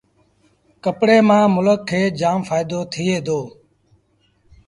ڪپڙي مآݩ ملڪ کي جآم ڦآئيٚدو ٿئي دو